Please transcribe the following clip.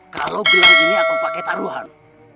kalau bilang begini aku pakai taruhan